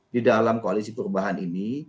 di dalam koalisi perubahan ini